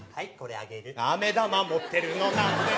「あめ玉持ってるのなんでだろう」